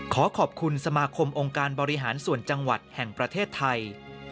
ขอขอบคุณสมาคมองค์การบริหารส่วนจังหวัดแห่งประเทศไทย